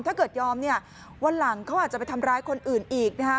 ถ้าเกิดยอมเนี่ยวันหลังเขาอาจจะไปทำร้ายคนอื่นอีกนะฮะ